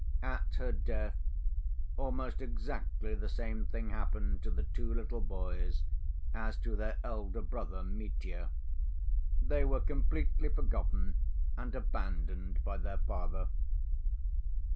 At her death almost exactly the same thing happened to the two little boys as to their elder brother, Mitya. They were completely forgotten and abandoned by their father.